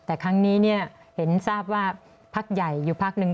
แต่ครั้งนี้เห็นทราบว่าพักใหญ่อยู่พักหนึ่ง